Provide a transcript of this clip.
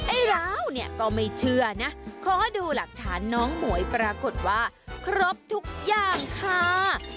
ไอ้ร้าวเนี่ยก็ไม่เชื่อนะขอดูหลักฐานน้องหมวยปรากฏว่าครบทุกอย่างค่ะ